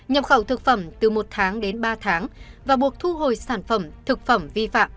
nhập khẩu thực phẩm từ một tháng đến ba tháng và buộc thu hồi sản phẩm thực phẩm vi phạm